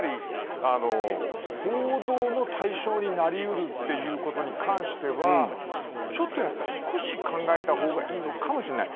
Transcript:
報道の対象になり得るということに関しては少し考えた方がいいのかもしれない。